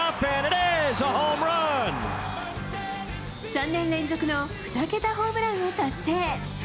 ３年連続の２桁ホームランを達成。